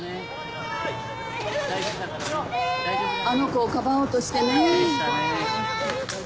あの子をかばおうとしてねぇ。